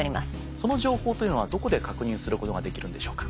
その情報はどこで確認することができるんでしょうか？